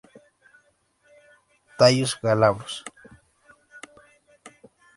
Tallos glabros.